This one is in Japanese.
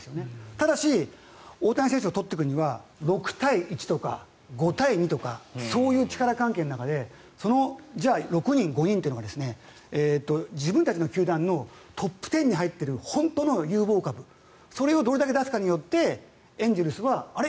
ただし、大谷選手を取っていくには６対１とか５対２とかそういう力関係の中でその６人、５人というのが自分たちの球団のトップ１０に入っている本当の有望株それをどれだけ出すかによってエンゼルスはあれ？